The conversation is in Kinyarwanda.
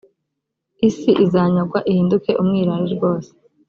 isi izanyagwa ihinduke umwirare rwose